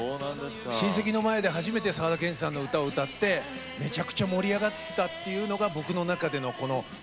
親戚の前で初めて沢田研二さんの歌を歌ってめちゃくちゃ盛り上がったっていうのが僕の中でのこの芸の原点というか。